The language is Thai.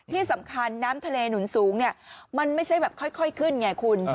ที่สำคัญน้ำทะเลหนุนสูงเนี่ยมันไม่ใช่แบบค่อยขึ้นไงคุณ